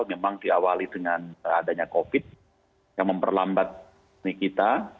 memang diawali dengan adanya covid yang memperlambat kita